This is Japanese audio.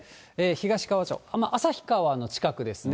東川町、旭川の近くですね。